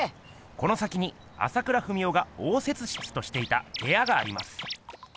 この先に朝倉文夫が応接室としていたへやがあります。